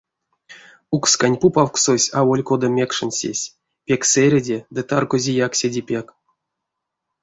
Укскань пупавксось аволь кода мекшенсесь, пек сэреди ды таргозияк седе пек.